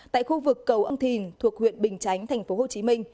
tại khu vực cầu ân thìn thuộc huyện bình chánh tp hcm